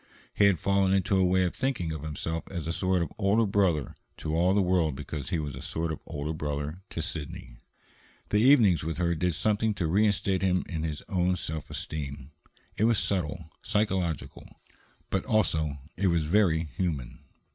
He had fallen into a way of thinking of himself as a sort of older brother to all the world because he was a sort of older brother to Sidney. The evenings with her did something to reinstate him in his own self esteem. It was subtle, psychological, but also it was very human.